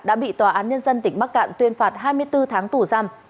đã bị tòa án nhân dân tỉnh bắc cạn tuyên phạt hai mươi bốn tháng tù giam